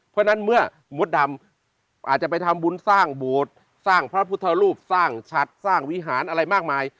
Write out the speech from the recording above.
เพราะฉะนั้นเมื่อมดดำอาจจะไปทำบุญสร้างโบสถ์สร้างพระพุทธรูปสร้างชัดสร้างวิหารอะไรมากมาย